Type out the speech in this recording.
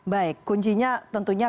baik kuncinya tentunya